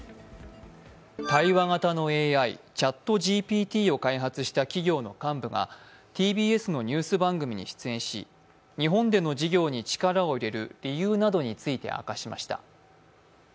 対話型のＡＩ、ＣｈａｔＧＰＴを開発した企業の幹部がＴＢＳのニュース番組に出演し、日本での事業に力を入れる理由などについて明かしました。